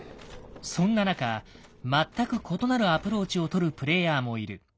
そんな中全く異なるアプローチをとるプレイヤーもいる。